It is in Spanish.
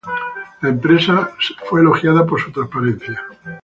La empresa fue elogiada por su transparencia.